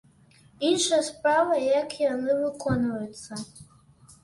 Іншая справа, як яны выконваюцца?